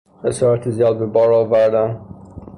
خسارت زیاد به بار آوردن